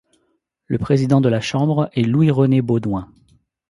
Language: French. Le président de la Chambre est Louis-René Beaudoin.